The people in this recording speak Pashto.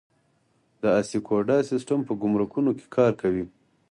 د اسیکوډا سیستم په ګمرکونو کې کار کوي؟